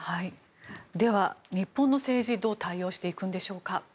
では、日本の政治どう対応していくんでしょうか。